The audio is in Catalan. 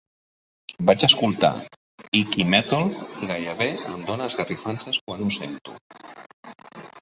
Vaig escoltar "Icky Mettle", i gairebé em dona esgarrifances quan ho sento.